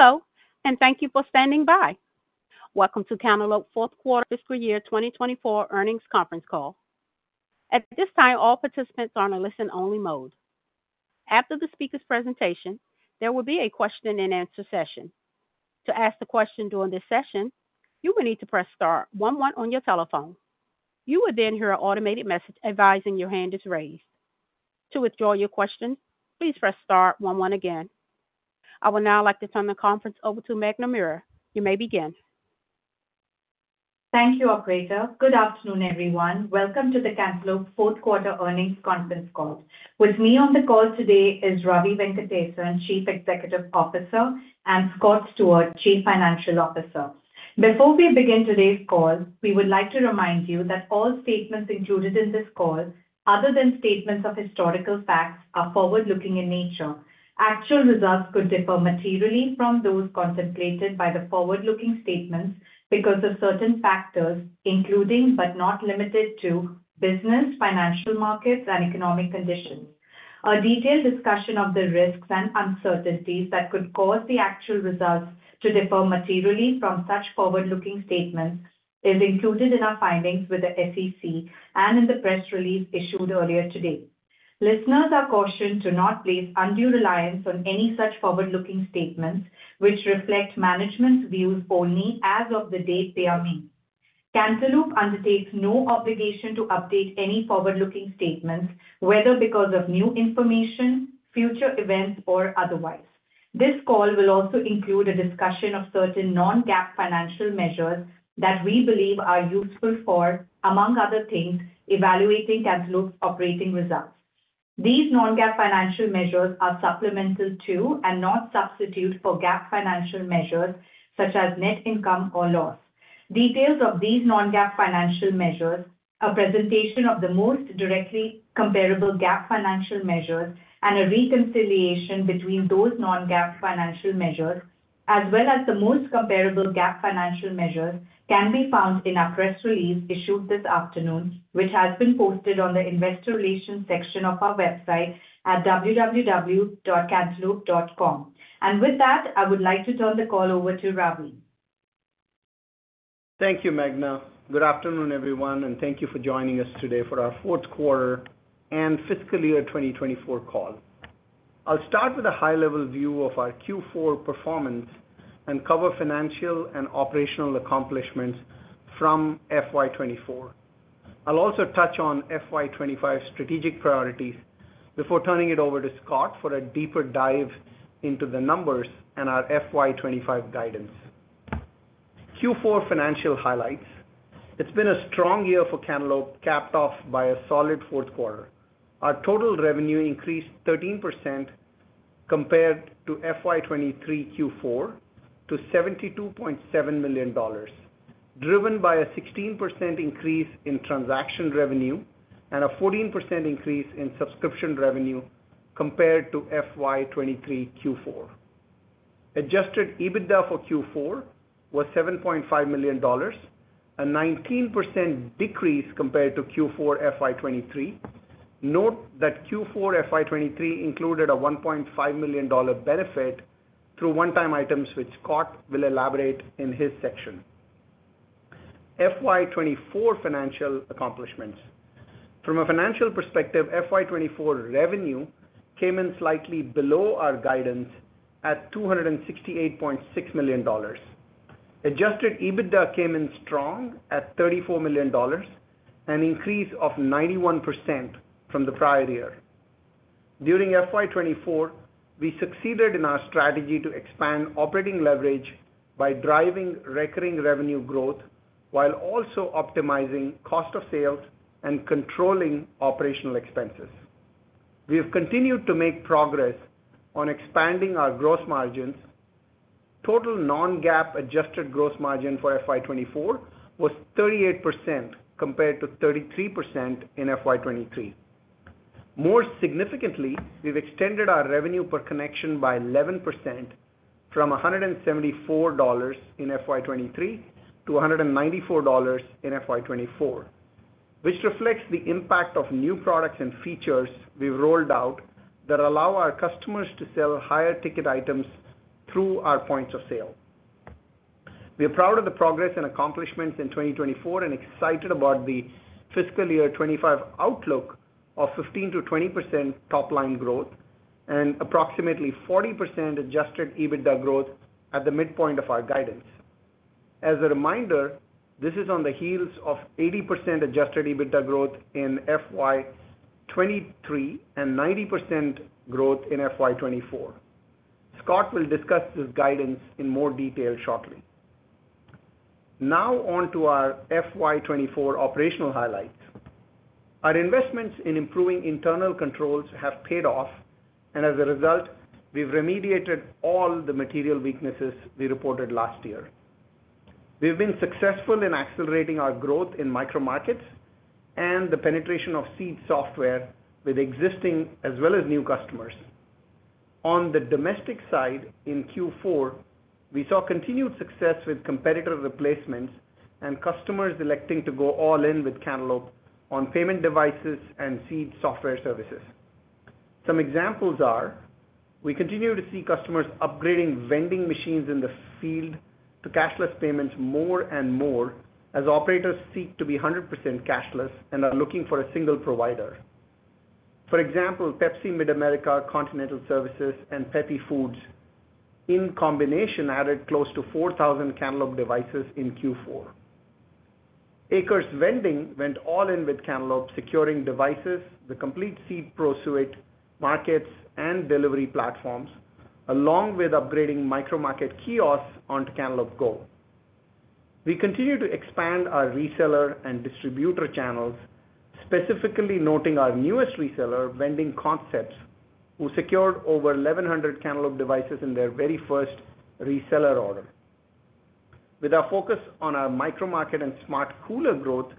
Hello, and thank you for standing by. Welcome to Cantaloupe fourth quarter fiscal year 2024 earnings conference call. At this time, all participants are on a listen-only mode. After the speaker's presentation, there will be a question and answer session. To ask a question during this session, you will need to press star one one on your telephone. You will then hear an automated message advising your hand is raised. To withdraw your question, please press star one one again. I would now like to turn the conference over to Meghna Mehra. You may begin. Thank you, operator. Good afternoon, everyone. Welcome to the Cantaloupe fourth quarter earnings conference call. With me on the call today is Ravi Venkatesan, Chief Executive Officer, and Scott Stewart, Chief Financial Officer. Before we begin today's call, we would like to remind you that all statements included in this call, other than statements of historical facts, are forward-looking in nature. Actual results could differ materially from those contemplated by the forward-looking statements because of certain factors, including, but not limited to, business, financial markets, and economic conditions. A detailed discussion of the risks and uncertainties that could cause the actual results to differ materially from such forward-looking statements is included in our filings with the SEC and in the press release issued earlier today. Listeners are cautioned to not place undue reliance on any such forward-looking statements, which reflect management's views only as of the date they are made. Cantaloupe undertakes no obligation to update any forward-looking statements, whether because of new information, future events, or otherwise. This call will also include a discussion of certain non-GAAP financial measures that we believe are useful for, among other things, evaluating Cantaloupe's operating results. These non-GAAP financial measures are supplemental to and not a substitute for GAAP financial measures, such as net income or loss. Details of these non-GAAP financial measures, a presentation of the most directly comparable GAAP financial measures, and a reconciliation between those non-GAAP financial measures, as well as the most comparable GAAP financial measures, can be found in our press release issued this afternoon, which has been posted on the Investor Relations section of our website at www.cantaloupe.com, and with that, I would like to turn the call over to Ravi. Thank you, Meghna. Good afternoon, everyone, and thank you for joining us today for our fourth quarter and fiscal year 2024 call. I'll start with a high-level view of our Q4 performance and cover financial and operational accomplishments from FY 2024. I'll also touch on FY 2025 strategic priorities before turning it over to Scott for a deeper dive into the numbers and our FY 2025 guidance. Q4 financial highlights. It's been a strong year for Cantaloupe, capped off by a solid fourth quarter. Our total revenue increased 13% compared to FY 2023 Q4 to $72.7 million, driven by a 16% increase in transaction revenue and a 14% increase in subscription revenue compared to FY 2023 Q4. Adjusted EBITDA for Q4 was $7.5 million, a 19% decrease compared to Q4 FY 2023. Note that Q4 FY 2023 included a $1.5 million benefit through one-time items, which Scott will elaborate in his section. FY 2024 financial accomplishments. From a financial perspective, FY 2024 revenue came in slightly below our guidance at $268.6 million. Adjusted EBITDA came in strong at $34 million, an increase of 91% from the prior year. During FY 2024, we succeeded in our strategy to expand operating leverage by driving recurring revenue growth while also optimizing cost of sales and controlling operational expenses. We have continued to make progress on expanding our gross margins. Total non-GAAP adjusted gross margin for FY 2024 was 38%, compared to 33% in FY 2023. More significantly, we've extended our revenue per connection by 11% from $174 in FY 2023 to $194 in FY 2024, which reflects the impact of new products and features we've rolled out that allow our customers to sell higher ticket items through our points of sale. We are proud of the progress and accomplishments in 2024 and excited about the fiscal year 2025 outlook of 15%-20% top-line growth and approximately 40% adjusted EBITDA growth at the midpoint of our guidance. As a reminder, this is on the heels of 80% adjusted EBITDA growth in FY 2023 and 90% growth in FY 2024. Scott will discuss this guidance in more detail shortly. Now on to our FY 2024 operational highlights. Our investments in improving internal controls have paid off, and as a result, we've remediated all the material weaknesses we reported last year. We've been successful in accelerating our growth in micro markets and the penetration of Seed software with existing as well as new customers. On the domestic side, in Q4, we saw continued success with competitor replacements and customers electing to go all in with Cantaloupe on payment devices and Seed software services. Some examples are, we continue to see customers upgrading vending machines in the field to cashless payments more and more, as operators seek to be 100% cashless and are looking for a single provider. For example, Pepsi MidAmerica, Continental Services, and Pepi Foods, in combination, added close to 4,000 Cantaloupe devices in Q4. Akers Vending went all in with Cantaloupe, securing devices, the complete Seed Pro Suite, markets, and delivery platforms, along with upgrading micro market kiosks onto Cantaloupe Go. We continue to expand our reseller and distributor channels, specifically noting our newest reseller, Vending Concepts, who secured over 1,100 Cantaloupe devices in their very first reseller order. With our focus on our micro market and smart cooler growth,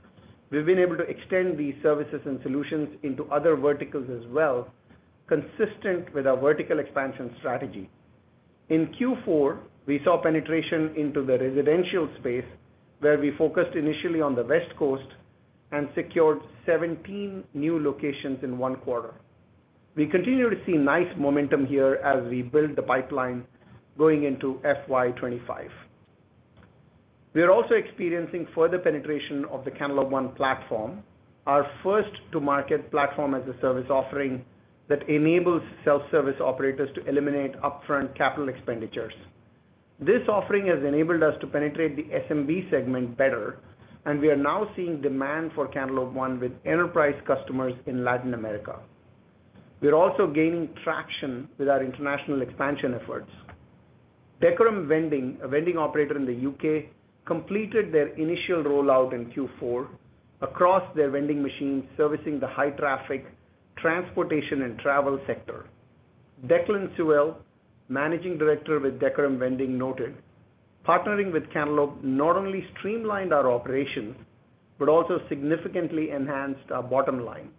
we've been able to extend these services and solutions into other verticals as well, consistent with our vertical expansion strategy. In Q4, we saw penetration into the residential space, where we focused initially on the West Coast and secured 17 new locations in one quarter. We continue to see nice momentum here as we build the pipeline going into FY 2025. We are also experiencing further penetration of the Cantaloupe One platform, our first to market platform as a service offering, that enables self-service operators to eliminate upfront capital expenditures. This offering has enabled us to penetrate the SMB segment better, and we are now seeing demand for Cantaloupe One with enterprise customers in Latin America. We are also gaining traction with our international expansion efforts. Decorum Vending, a vending operator in the U.K., completed their initial rollout in Q4 across their vending machines, servicing the high traffic, transportation, and travel sector. Declan Sewell, Managing Director with Decorum Vending, noted, "Partnering with Cantaloupe not only streamlined our operations, but also significantly enhanced our bottom line."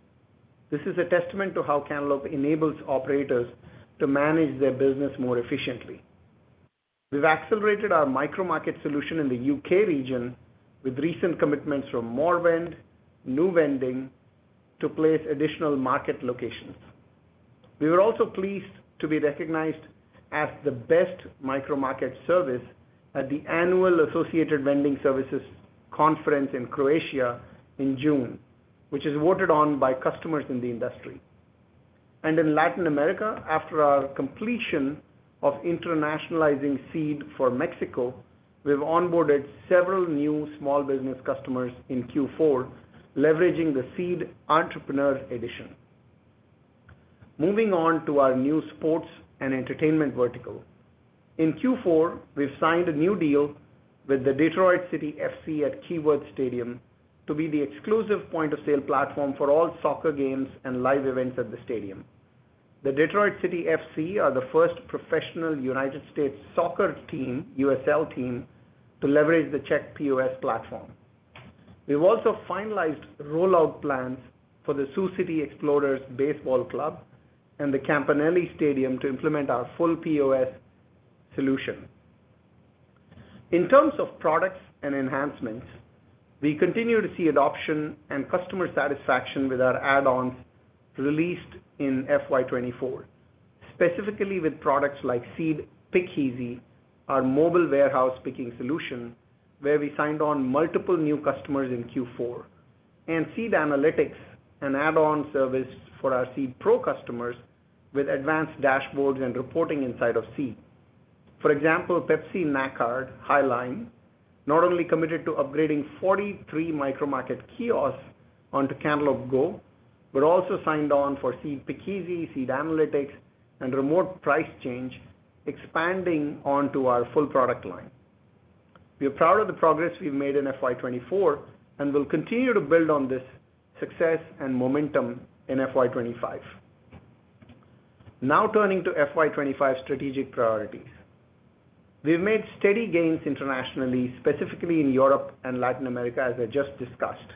This is a testament to how Cantaloupe enables operators to manage their business more efficiently. We've accelerated our micro market solution in the U.K. region, with recent commitments from MorVend, Nu Vending, to place additional market locations. We were also pleased to be recognized as the best micro market service at the Annual Associated Vending Services Conference in Croatia in June, which is voted on by customers in the industry, and in Latin America, after our completion of internationalizing Seed for Mexico, we've onboarded several new small business customers in Q4, leveraging the Seed Entrepreneur Edition. Moving on to our new sports and entertainment vertical. In Q4, we've signed a new deal with the Detroit City FC at Keyworth Stadium to be the exclusive point-of-sale platform for all soccer games and live events at the stadium. The Detroit City FC are the first professional United States soccer team, USL team, to leverage the CHEQ POS platform. We've also finalized rollout plans for the Sioux City Explorers Baseball Club and the Campanelli Stadium to implement our full POS solution. In terms of products and enhancements, we continue to see adoption and customer satisfaction with our add-ons released in FY 2024, specifically with products like Seed PickEasy, our mobile warehouse picking solution, where we signed on multiple new customers in Q4, and Seed Analytics, an add-on service for our Seed Pro customers with advanced dashboards and reporting inside of Seed. For example, Pepsi MidAmerica not only committed to upgrading 43 micro market kiosks onto Cantaloupe Go, but also signed on for Seed PickEasy, Seed Analytics, and Remote Price Change, expanding onto our full product line. We are proud of the progress we've made in FY 2024, and we'll continue to build on this success and momentum in FY 2025. Now turning to FY 2025 strategic priorities. We've made steady gains internationally, specifically in Europe and Latin America, as I just discussed.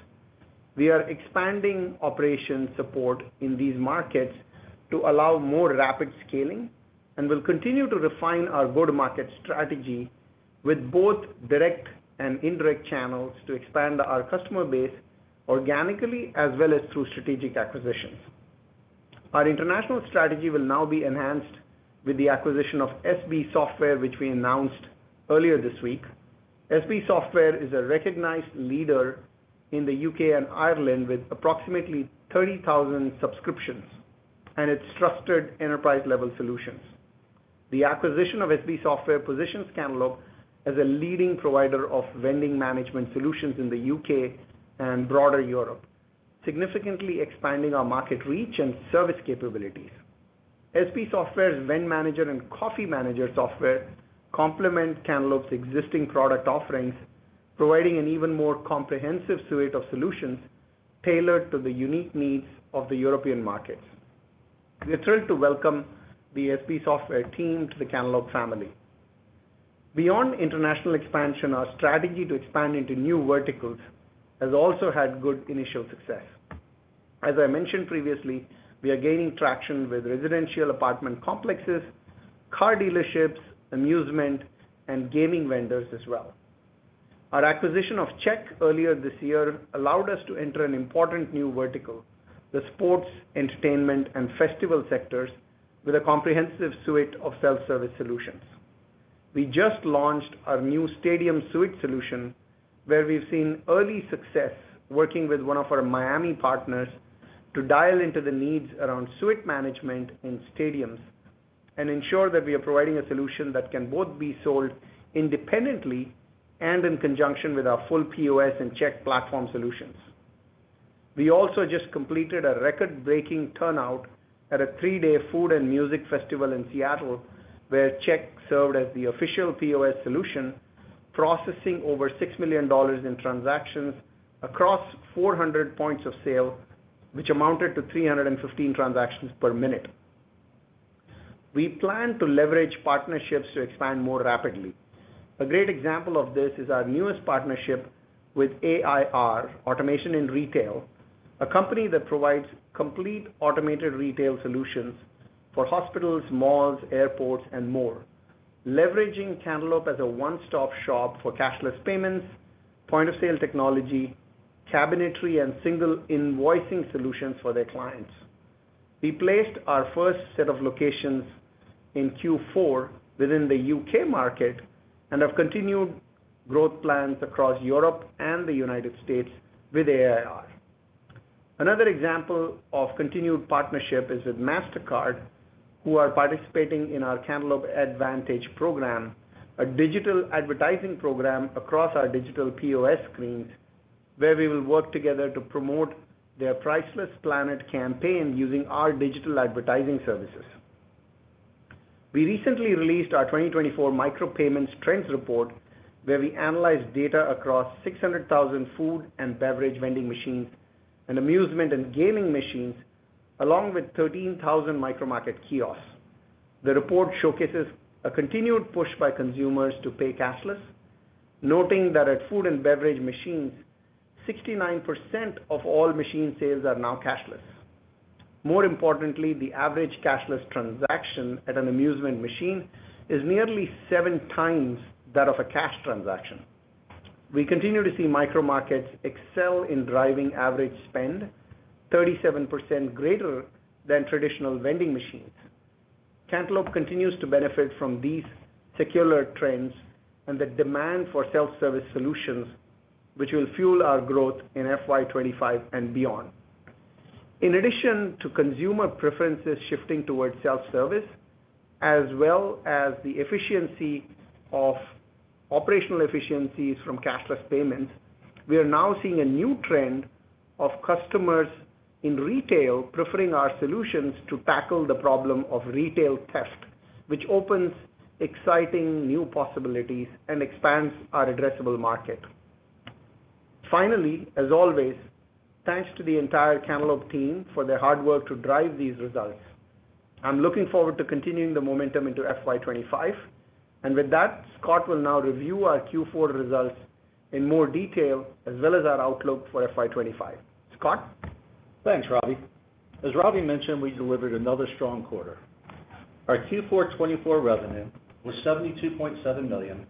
We are expanding operation support in these markets to allow more rapid scaling, and we'll continue to refine our go-to-market strategy with both direct and indirect channels, to expand our customer base organically as well as through strategic acquisitions. Our international strategy will now be enhanced with the acquisition of SB Software, which we announced earlier this week. SB Software is a recognized leader in the U.K. and Ireland, with approximately 30,000 subscriptions and its trusted enterprise-level solutions. The acquisition of SB Software positions Cantaloupe as a leading provider of vending management solutions in the U.K. and broader Europe, significantly expanding our market reach and service capabilities. SB Software's Vendmanager and Coffeemanager software complement Cantaloupe's existing product offerings, providing an even more comprehensive suite of solutions tailored to the unique needs of the European markets. We are thrilled to welcome the SB Software team to the Cantaloupe family. Beyond international expansion, our strategy to expand into new verticals has also had good initial success. As I mentioned previously, we are gaining traction with residential apartment complexes, car dealerships, amusement, and gaming vendors as well. Our acquisition of CHEQ earlier this year allowed us to enter an important new vertical, the sports, entertainment, and festival sectors, with a comprehensive suite of self-service solutions. We just launched our new Stadium Suite solution, where we've seen early success working with one of our Miami partners to dial into the needs around suite management in stadiums, and ensure that we are providing a solution that can both be sold independently and in conjunction with our full POS and CHEQ platform solutions. We also just completed a record-breaking turnout at a three-day food and music festival in Seattle, where CHEQ served as the official POS solution, processing over $6 million in transactions across 400 points of sale, which amounted to 315 transactions per minute. We plan to leverage partnerships to expand more rapidly. A great example of this is our newest partnership with AIR, Automation in Retail, a company that provides complete automated retail solutions for hospitals, malls, airports, and more. Leveraging Cantaloupe as a one-stop shop for cashless payments, point-of-sale technology, cabinetry, and single invoicing solutions for their clients. We placed our first set of locations in Q4 within the U.K. market and have continued growth plans across Europe and the United States with AIR. Another example of continued partnership is with Mastercard, who are participating in our Cantaloupe Advantage program, a digital advertising program across our digital POS screens, where we will work together to promote their Priceless Planet campaign using our digital advertising services. We recently released our 2024 Micropayment Trends Report, where we analyzed data across 600,000 food and beverage vending machines and amusement and gaming machines, along with 13,000 micro-market kiosks. The report showcases a continued push by consumers to pay cashless, noting that at food and beverage machines, 69% of all machine sales are now cashless. More importantly, the average cashless transaction at an amusement machine is nearly seven times that of a cash transaction. We continue to see micro markets excel in driving average spend, 37% greater than traditional vending machines. Cantaloupe continues to benefit from these secular trends and the demand for self-service solutions, which will fuel our growth in FY 2025 and beyond. In addition to consumer preferences shifting towards self-service, as well as the efficiency of operational efficiencies from cashless payments, we are now seeing a new trend of customers in retail preferring our solutions to tackle the problem of retail theft, which opens exciting new possibilities and expands our addressable market. Finally, as always, thanks to the entire Cantaloupe team for their hard work to drive these results. I'm looking forward to continuing the momentum into FY 2025, and with that, Scott will now review our Q4 results in more detail, as well as our outlook for FY 2025. Scott? Thanks, Ravi. As Ravi mentioned, we delivered another strong quarter. Our Q4 2024 revenue was $72.7 million,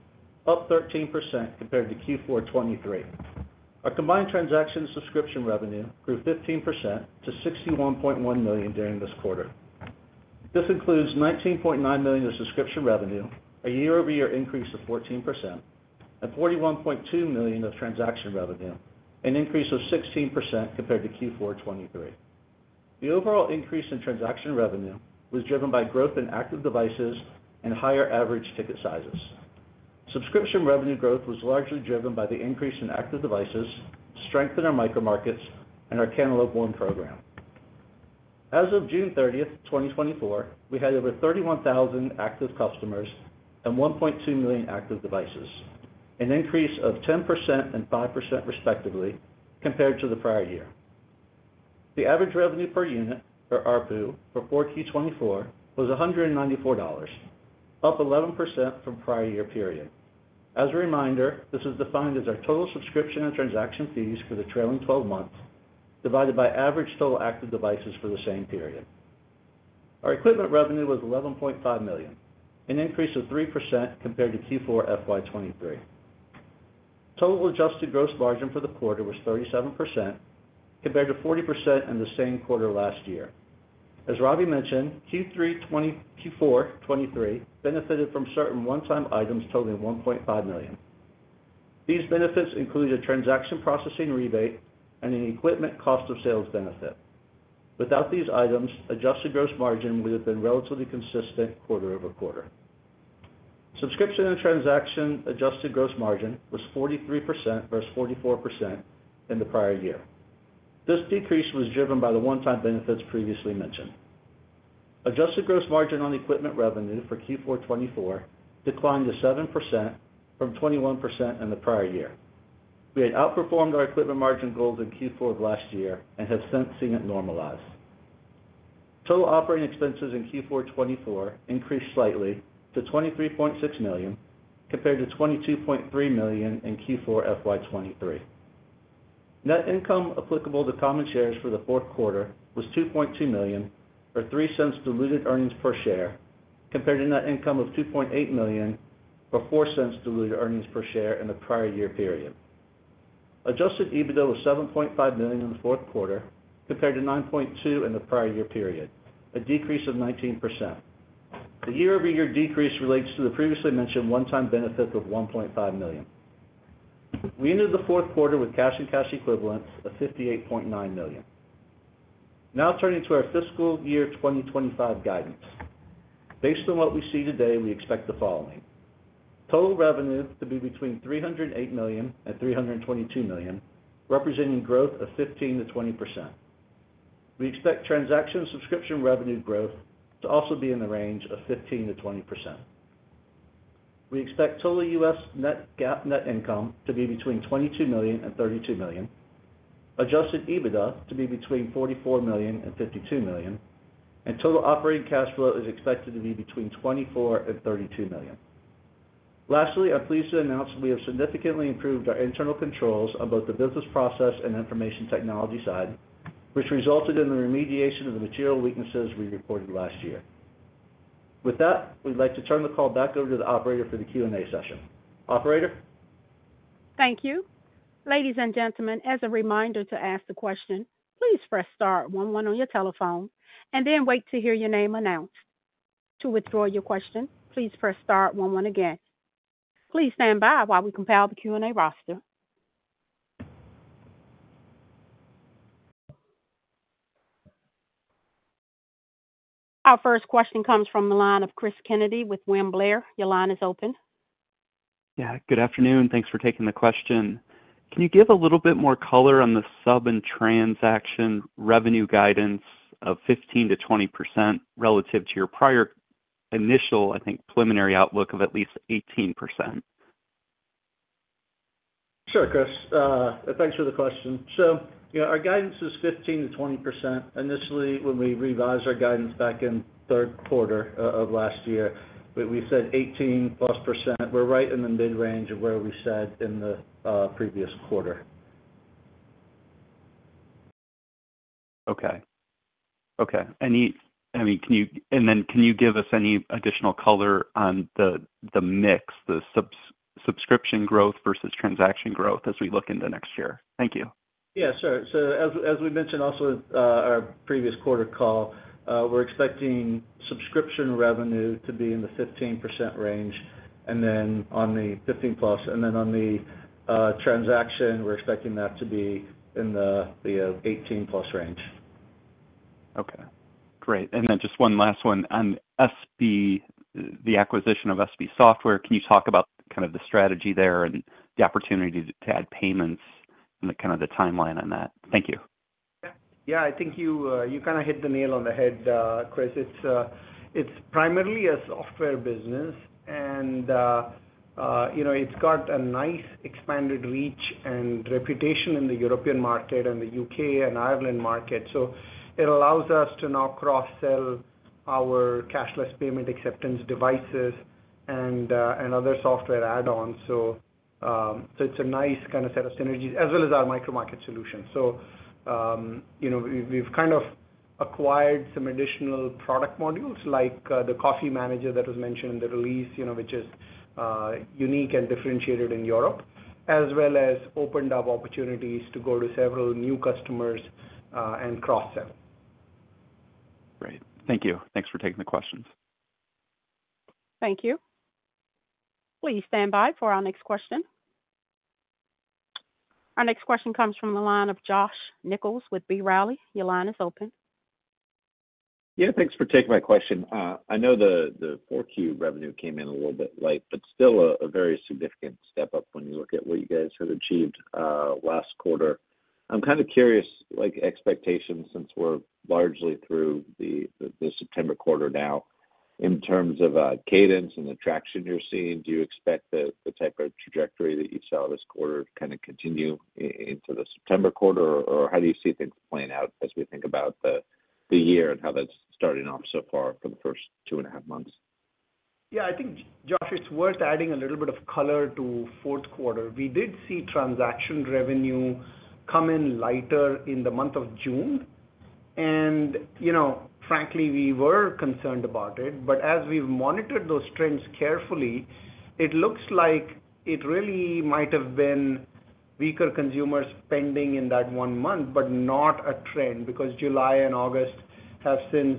up 13% compared to Q4 2023. Our combined transaction subscription revenue grew 15% to $61.1 million during this quarter. This includes $19.9 million of subscription revenue, a year-over-year increase of 14%, and $41.2 million of transaction revenue, an increase of 16% compared to Q4 2023. The overall increase in transaction revenue was driven by growth in active devices and higher average ticket sizes. Subscription revenue growth was largely driven by the increase in active devices, strength in our micromarkets, and our Cantaloupe One program. As of June 30th, 2024, we had over 31,000 active customers and 1.2 million active devices, an increase of 10% and 5% respectively compared to the prior year. The average revenue per unit, or ARPU, for 4Q 2024 was $194, up 11% from prior year period. As a reminder, this is defined as our total subscription and transaction fees for the trailing 12 months, divided by average total active devices for the same period. Our equipment revenue was $11.5 million, an increase of 3% compared to Q4 FY 2023. Total adjusted gross margin for the quarter was 37%, compared to 40% in the same quarter last year. As Ravi mentioned, Q4 2023 benefited from certain one-time items totaling $1.5 million. These benefits included a transaction processing rebate and an equipment cost of sales benefit. Without these items, adjusted gross margin would have been relatively consistent quarter-over-quarter. Subscription and transaction adjusted gross margin was 43% versus 44% in the prior year. This decrease was driven by the one-time benefits previously mentioned. Adjusted gross margin on equipment revenue for Q4 2024 declined to 7% from 21% in the prior year. We had outperformed our equipment margin goals in Q4 of last year and have since seen it normalize. Total operating expenses in Q4 2024 increased slightly to $23.6 million, compared to $22.3 million in Q4 FY 2023. Net income applicable to common shares for the fourth quarter was $2.2 million, or $0.03 diluted earnings per share, compared to net income of $2.8 million, or $0.04 diluted earnings per share in the prior year period. Adjusted EBITDA was $7.5 million in the fourth quarter, compared to $9.2 million in the prior year period, a decrease of 19%. The year-over-year decrease relates to the previously mentioned one-time benefit of $1.5 million. We ended the fourth quarter with cash and cash equivalents of $58.9 million. Now turning to our fiscal year 2025 guidance. Based on what we see today, we expect the following: total revenue to be between $308 million and $322 million, representing 15%-20% growth. We expect transaction subscription revenue growth to also be in the range of 15%-20%. We expect total U.S. GAAP net income to be between $22 million and $32 million, adjusted EBITDA to be between $44 million and $52 million, and total operating cash flow is expected to be between $24 million and $32 million. Lastly, I'm pleased to announce that we have significantly improved our internal controls on both the business process and information technology side, which resulted in the remediation of the material weaknesses we reported last year. With that, we'd like to turn the call back over to the operator for the Q&A session. Operator? Thank you. Ladies and gentlemen, as a reminder to ask the question, please press star one one on your telephone and then wait to hear your name announced. To withdraw your question, please press star one one again. Please stand by while we compile the Q&A roster. Our first question comes from the line of Chris Kennedy with William Blair. Your line is open. Yeah, good afternoon, thanks for taking the question. Can you give a little bit more color on the sub and transaction revenue guidance of 15%-20% relative to your prior initial, I think, preliminary outlook of at least 18%? Sure, Chris, thanks for the question. So, you know, our guidance is 15%-20%. Initially, when we revised our guidance back in the third quarter of last year, we said 18%+. We're right in the mid-range of where we said in the previous quarter. Okay, I mean, can you give us any additional color on the mix, the subscription growth versus transaction growth as we look into next year? Thank you. Yeah, sure. So as we mentioned also in our previous quarter call, we're expecting subscription revenue to be in the 15% range, and then on the 15%+, and then on the transaction, we're expecting that to be in the 18%+ range. Okay, great. And then just one last one. On SB, the acquisition of SB Software, can you talk about kind of the strategy there and the opportunity to add payments and the kind of the timeline on that? Thank you. Yeah, I think you kind of hit the nail on the head, Chris. It's primarily a software business, and you know, it's got a nice expanded reach and reputation in the European market and the U.K. and Ireland market. So it allows us to now cross-sell our cashless payment acceptance devices and other software add-ons. So it's a nice kind of set of synergies, as well as our micro market solution. So you know, we've kind of acquired some additional product modules, like the Coffeemanager that was mentioned in the release, you know, which is unique and differentiated in Europe, as well as opened up opportunities to go to several new customers and cross-sell. Great. Thank you. Thanks for taking the questions. Thank you. Please stand by for our next question. Our next question comes from the line of Josh Nichols with B. Riley. Your line is open. Yeah, thanks for taking my question. I know the Q4 revenue came in a little bit light, but still a very significant step up when you look at what you guys have achieved last quarter. I'm kind of curious, like, expectations, since we're largely through the September quarter now, in terms of cadence and the traction you're seeing. Do you expect the type of trajectory that you saw this quarter kind of continue into the September quarter? Or, how do you see things playing out as we think about the year and how that's starting off so far for the first two and a half months? Yeah, I think, Josh, it's worth adding a little bit of color to fourth quarter. We did see transaction revenue come in lighter in the month of June, and, you know, frankly, we were concerned about it. But as we've monitored those trends carefully, it looks like it really might have been weaker consumer spending in that one month, but not a trend, because July and August have since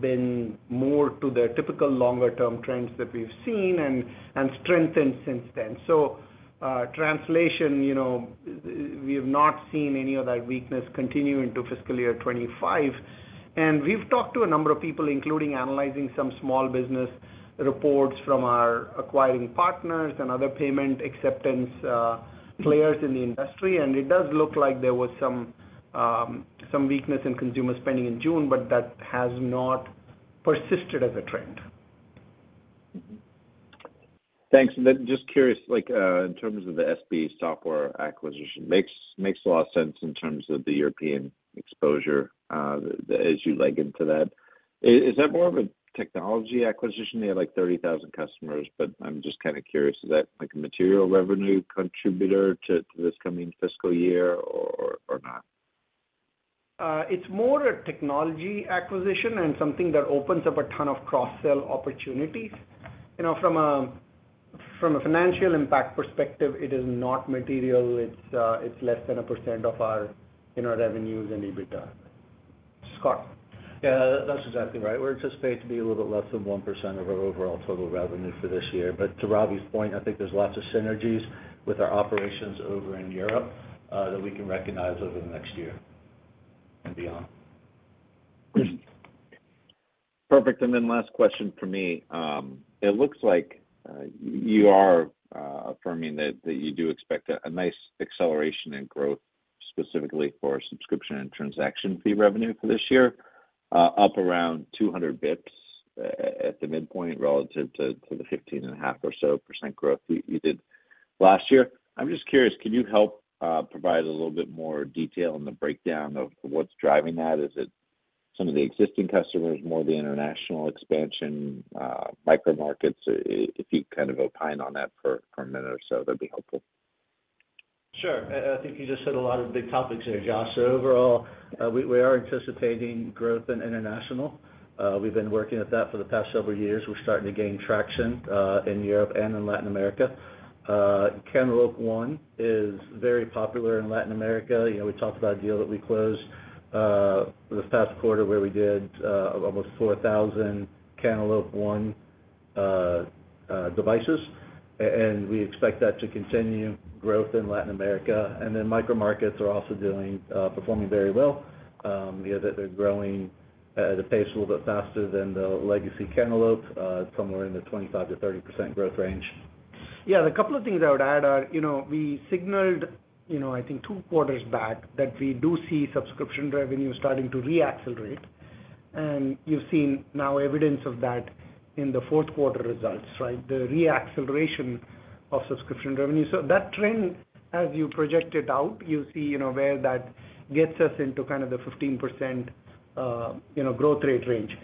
been more to the typical longer-term trends that we've seen and strengthened since then. So, translation, you know, we have not seen any of that weakness continue into fiscal year 2025. And we've talked to a number of people, including analyzing some small business reports from our acquiring partners and other payment acceptance players in the industry, and it does look like there was some weakness in consumer spending in June, but that has not persisted as a trend. Thanks. And then just curious, like, in terms of the SB Software acquisition, makes a lot of sense in terms of the European exposure, as you leg into that. Is that more of a technology acquisition? They have, like, 30,000 customers, but I'm just kind of curious, is that, like, a material revenue contributor to this coming fiscal year or not? It's more a technology acquisition and something that opens up a ton of cross-sell opportunities. You know, from a financial impact perspective, it is not material. It's less than 1% of our, you know, revenues and EBITDA. Scott? Yeah, that's exactly right. We're anticipating it to be a little bit less than 1% of our overall total revenue for this year. But to Ravi's point, I think there's lots of synergies with our operations over in Europe that we can recognize over the next year and beyond. Perfect. And then last question for me. It looks like you are affirming that you do expect a nice acceleration in growth, specifically for subscription and transaction fee revenue for this year, up around 200 basis points at the midpoint relative to the 15.5% or so growth you did last year. I'm just curious, can you help provide a little bit more detail on the breakdown of what's driving that? Is it some of the existing customers, more of the international expansion, micro markets? If you'd kind of opine on that for a minute or so, that'd be helpful. Sure. I think you just hit a lot of big topics there, Josh. So overall, we are anticipating growth in international. We've been working at that for the past several years. We're starting to gain traction in Europe and in Latin America. Cantaloupe One is very popular in Latin America. You know, we talked about a deal that we closed this past quarter, where we did almost 4,000 Cantaloupe One devices, and we expect that to continue growth in Latin America. And then micro markets are also performing very well. Yeah, they're growing at a pace a little bit faster than the legacy Cantaloupe, somewhere in the 25%-30% growth range. Yeah, the couple of things I would add are, you know, we signaled, you know, I think two quarters back, that we do see subscription revenue starting to reaccelerate. And you've seen now evidence of that in the fourth quarter results, right? The reacceleration of subscription revenue. So that trend, as you project it out, you see, you know, where that gets us into kind of the 15% growth rate range.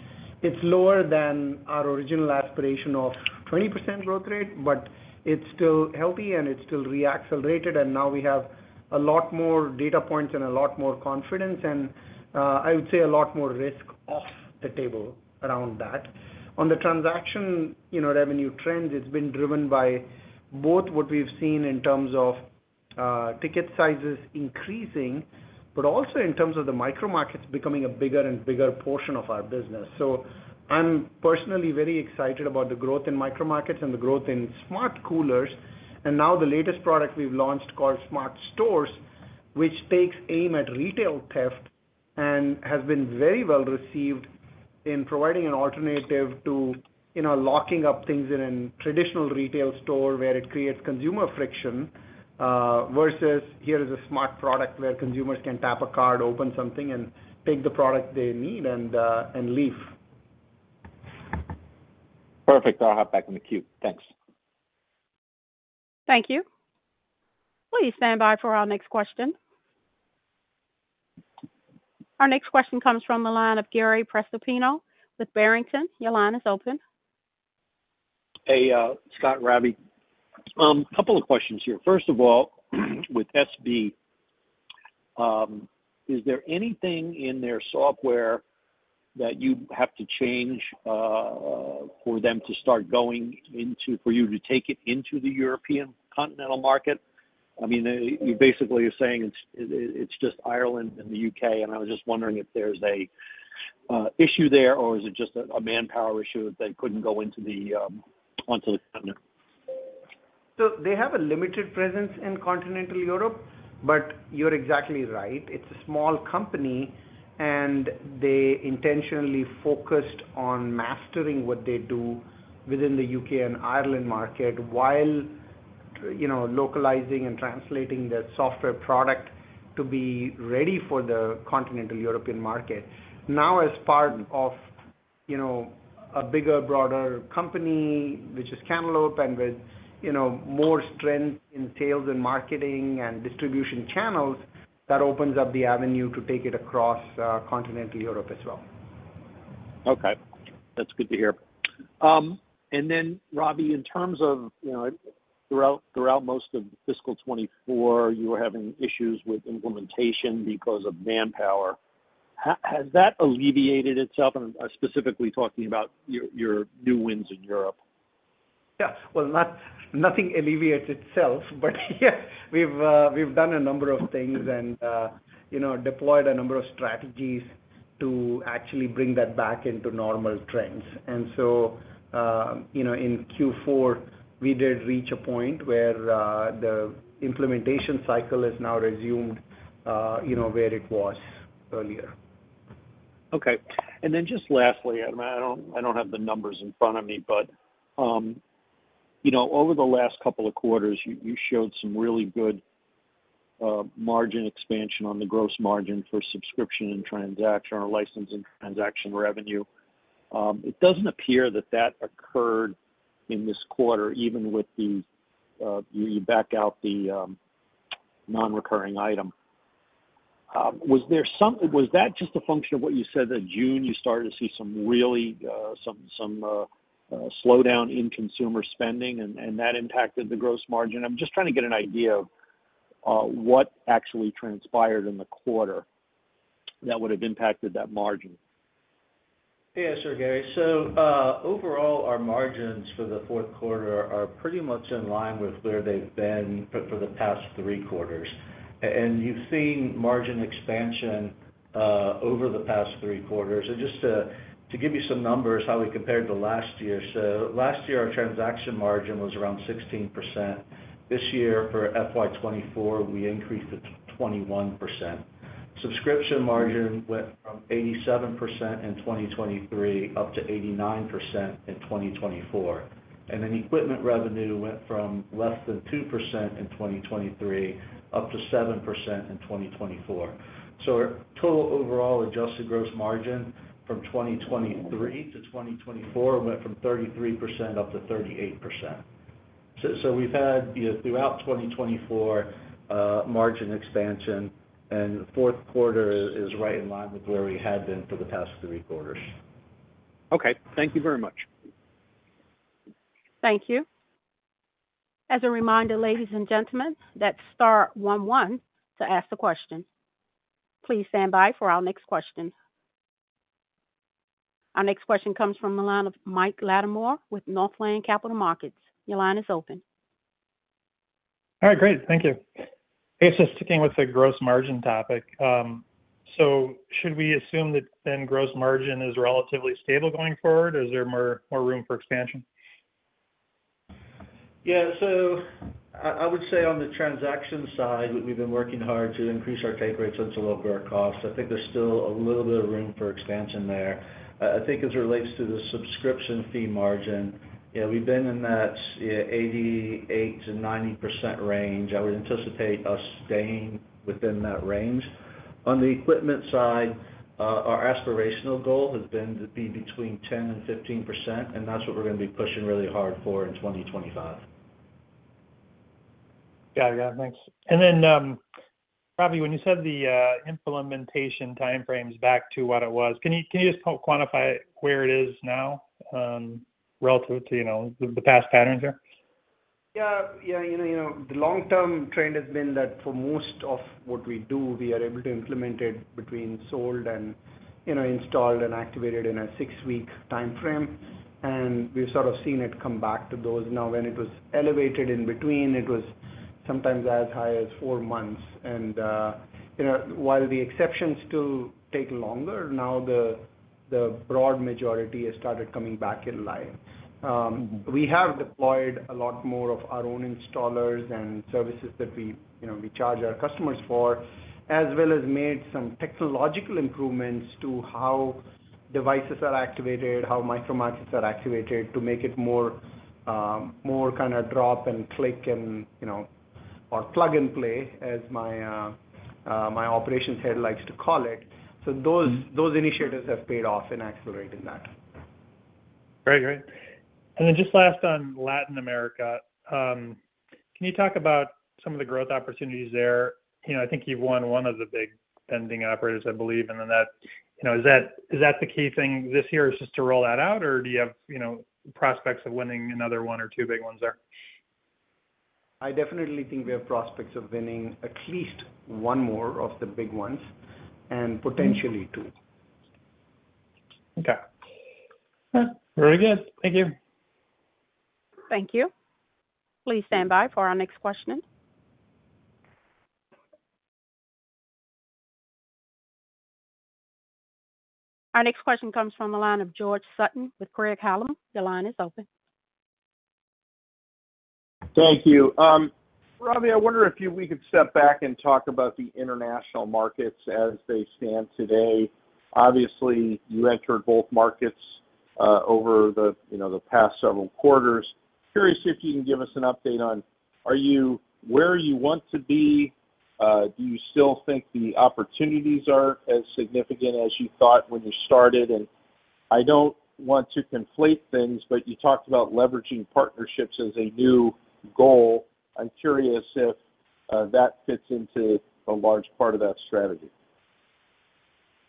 It's lower than our original aspiration of 20% growth rate, but it's still healthy, and it's still reaccelerated, and now we have a lot more data points and a lot more confidence, and I would say a lot more risk off the table around that. On the transaction, you know, revenue trends, it's been driven by both what we've seen in terms of ticket sizes increasing, but also in terms of the micro markets becoming a bigger and bigger portion of our business. So I'm personally very excited about the growth in micro markets and the growth in smart coolers, and now the latest product we've launched, called Smart Stores, which takes aim at retail theft and has been very well received in providing an alternative to, you know, locking up things in a traditional retail store, where it creates consumer friction versus here is a smart product where consumers can tap a card, open something, and take the product they need, and leave. Perfect. I'll hop back in the queue. Thanks. Thank you. Please stand by for our next question. Our next question comes from the line of Gary Prestopino with Barrington. Your line is open. Hey, Scott, Ravi. Couple of questions here. First of all, with SB, is there anything in their software that you'd have to change for you to take it into the European continental market? I mean, you basically are saying it's just Ireland and the U.K., and I was just wondering if there's an issue there, or is it just a manpower issue that they couldn't go onto the continent? So they have a limited presence in continental Europe, but you're exactly right. It's a small company, and they intentionally focused on mastering what they do within the U.K. and Ireland market, while, you know, localizing and translating their software product to be ready for the continental European market. Now, as part of, you know, a bigger, broader company, which is Cantaloupe, and with, you know, more strength in sales and marketing and distribution channels, that opens up the avenue to take it across continental Europe as well. Okay. That's good to hear. And then, Ravi, in terms of, you know, throughout most of fiscal 2024, you were having issues with implementation because of manpower. Has that alleviated itself? And I'm specifically talking about your new wins in Europe. Yeah. Well, nothing alleviates itself, but yeah, we've done a number of things and, you know, deployed a number of strategies to actually bring that back into normal trends. And so, you know, in Q4, we did reach a point where the implementation cycle has now resumed, you know, where it was earlier. Okay. And then just lastly, I don't have the numbers in front of me, but you know, over the last couple of quarters, you showed some really good margin expansion on the gross margin for subscription and transaction or license and transaction revenue. It doesn't appear that that occurred in this quarter, even if you back out the non-recurring item. Was that just a function of what you said, that June, you started to see some really slowdown in consumer spending, and that impacted the gross margin? I'm just trying to get an idea of what actually transpired in the quarter that would have impacted that margin. Yeah, sure, Gary. So overall, our margins for the fourth quarter are pretty much in line with where they've been for the past three quarters. And you've seen margin expansion over the past three quarters. So just to give you some numbers on how we compared to last year. So last year, our transaction margin was around 16%. This year, for FY 2024, we increased it to 21%. Subscription margin went from 87% in 2023 up to 89% in 2024, and then equipment revenue went from less than 2% in 2023 up to 7% in 2024. So our total overall adjusted gross margin from 2023 to 2024 went from 33% up to 38%.So, we've had, you know, throughout 2024, margin expansion, and the fourth quarter is right in line with where we had been for the past three quarters. Okay, thank you very much. Thank you. As a reminder, ladies and gentlemen, that's star one one to ask a question. Please stand by for our next question. Our next question comes from the line of Mike Latimore with Northland Capital Markets. Your line is open. All right, great. Thank you. Hey, so sticking with the gross margin topic, so should we assume that then gross margin is relatively stable going forward, or is there more room for expansion? Yeah, so I would say on the transaction side, we've been working hard to increase our take rates and to lower our costs. I think there's still a little bit of room for expansion there. I think as it relates to the subscription fee margin, yeah, we've been in that 88%-90% range. I would anticipate us staying within that range. On the equipment side, our aspirational goal has been to be between 10%-15%, and that's what we're gonna be pushing really hard for in 2025. Got it. Yeah, thanks. And then, Ravi, when you said the implementation time frame's back to what it was, can you just help quantify where it is now, relative to, you know, the past patterns here? Yeah. Yeah, you know, the long-term trend has been that for most of what we do, we are able to implement it between sold and, you know, installed and activated in a six-week time frame, and we've sort of seen it come back to those. Now, when it was elevated in between, it was sometimes as high as four months, and, you know, while the exceptions still take longer, now the broad majority has started coming back in line. We have deployed a lot more of our own installers and services that we, you know, we charge our customers for, as well as made some technological improvements to how devices are activated, how micro markets are activated, to make it more kind of drop and click and, you know, or plug and play, as my operations head likes to call it. So those initiatives have paid off in accelerating that. Great. Great. And then just last on Latin America, can you talk about some of the growth opportunities there? You know, I think you've won one of the big vending operators, I believe, and then that, you know, is that the key thing this year is just to roll that out, or do you have, you know, prospects of winning another one or two big ones there? I definitely think we have prospects of winning at least one more of the big ones, and potentially two. Okay. Very good. Thank you. Thank you. Please stand by for our next question. Our next question comes from the line of George Sutton with Craig-Hallum. Your line is open. Thank you. Ravi, I wonder if we could step back and talk about the international markets as they stand today. Obviously, you entered both markets over the you know the past several quarters. Curious if you can give us an update on are you where you want to be? Do you still think the opportunities are as significant as you thought when you started? And I don't want to conflate things, but you talked about leveraging partnerships as a new goal. I'm curious if that fits into a large part of that strategy.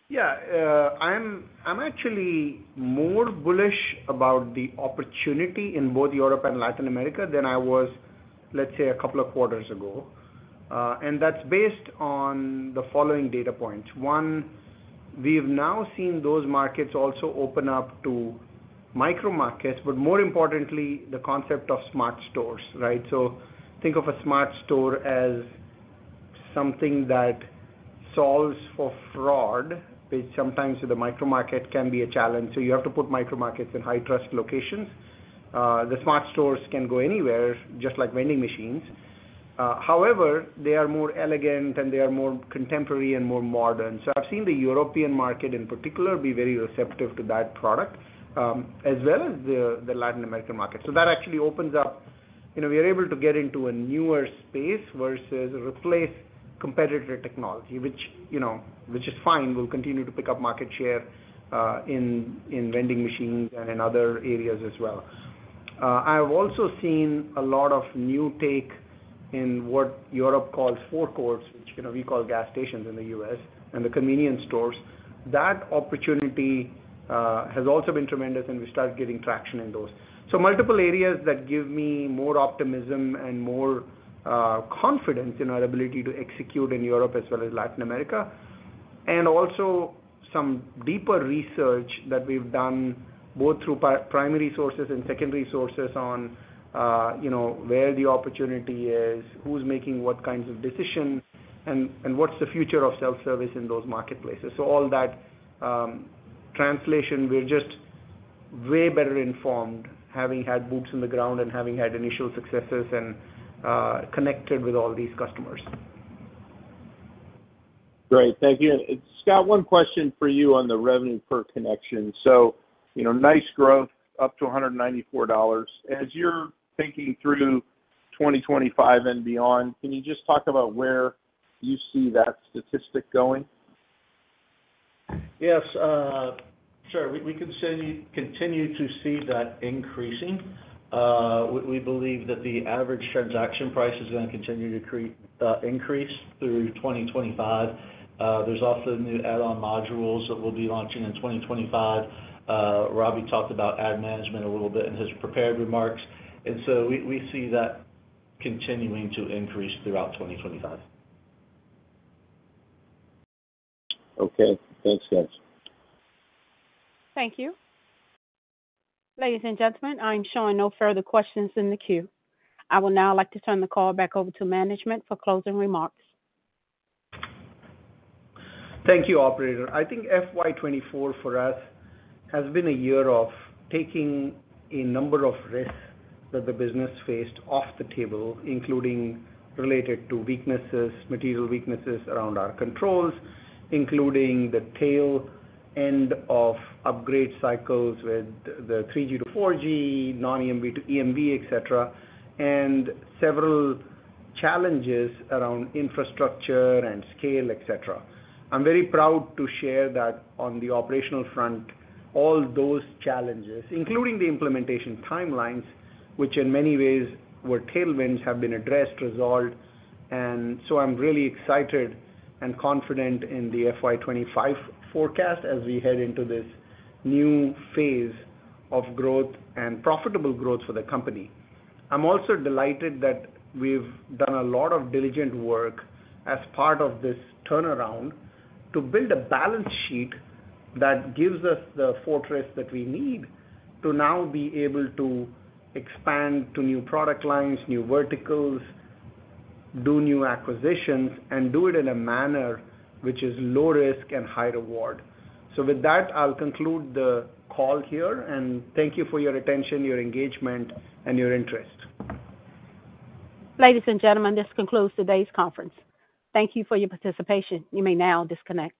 Yeah, I'm actually more bullish about the opportunity in both Europe and Latin America than I was, let's say, a couple of quarters ago, and that's based on the following data points: One, we've now seen those markets also open up to micro markets, but more importantly, the concept of Smart Stores, right? So think of a Smart Store as something that solves for fraud, which sometimes with the micro market can be a challenge, so you have to put micro markets in high-trust locations. The Smart Stores can go anywhere, just like vending machines. However, they are more elegant, and they are more contemporary and more modern. So I've seen the European market, in particular, be very receptive to that product, as well as the Latin American market. So that actually opens up... You know, we are able to get into a newer space versus replace competitor technology, which, you know, is fine. We'll continue to pick up market share in vending machines and in other areas as well. I've also seen a lot of new uptake in what Europe calls forecourts, which, you know, we call gas stations in the U.S., and the convenience stores. That opportunity has also been tremendous, and we start getting traction in those. So multiple areas that give me more optimism and more confidence in our ability to execute in Europe as well as Latin America. And also some deeper research that we've done, both through primary sources and secondary sources on, you know, where the opportunity is, who's making what kinds of decisions, and what's the future of self-service in those marketplaces? So all that translation, we're just way better informed, having had boots on the ground and having had initial successes and connected with all these customers. Great. Thank you. And Scott, one question for you on the revenue per connection. So, you know, nice growth, up to $194. As you're thinking through 2025 and beyond, can you just talk about where you see that statistic going? Yes, sure. We could see continue to see that increasing. We believe that the average transaction price is gonna continue to increase through 2025. There's also new add-on modules that we'll be launching in 2025. Ravi talked about ad management a little bit in his prepared remarks, and so we see that continuing to increase throughout 2025. Okay. Thanks, guys. Thank you. Ladies and gentlemen, I'm showing no further questions in the queue. I would now like to turn the call back over to management for closing remarks. Thank you, operator. I think FY 2024 for us has been a year of taking a number of risks that the business faced off the table, including related to weaknesses, material weaknesses around our controls, including the tail end of upgrade cycles with the 3G to 4G, non-EMV to EMV, et cetera, and several challenges around infrastructure and scale, et cetera. I'm very proud to share that on the operational front, all those challenges, including the implementation timelines, which in many ways were tailwinds, have been addressed, resolved, and so I'm really excited and confident in the FY 2025 forecast as we head into this new phase of growth and profitable growth for the company. I'm also delighted that we've done a lot of diligent work as part of this turnaround to build a balance sheet that gives us the fortress that we need to now be able to expand to new product lines, new verticals, do new acquisitions, and do it in a manner which is low risk and high reward. So with that, I'll conclude the call here, and thank you for your attention, your engagement, and your interest. Ladies and gentlemen, this concludes today's conference. Thank you for your participation. You may now disconnect.